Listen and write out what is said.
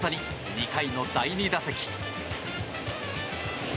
２回の第２打席。